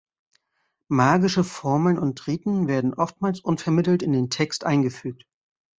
Magische Formeln und Riten werden oftmals unvermittelt in den Text eingefügt.